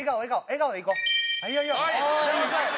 笑顔でいこう。